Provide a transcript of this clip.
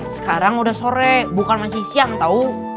sekarang udah sore bukan masih siang tau